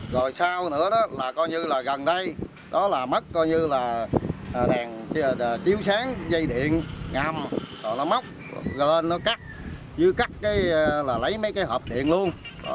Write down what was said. rồi sau nữa là coi như là gần đây đó là mất coi như là đèn tiếu sáng dây điện ngầm rồi nó móc gần nó cắt dưới cắt là lấy mấy cái hộp điện luôn